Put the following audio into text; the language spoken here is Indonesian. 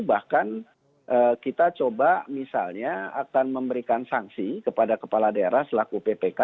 bahkan kita coba misalnya akan memberikan sanksi kepada kepala daerah selaku ppk